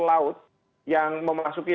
laut yang memasuki